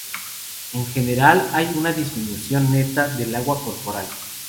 En general, hay una disminución neta del agua corporal.